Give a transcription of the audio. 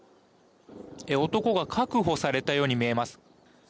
男が確保されたように見えます。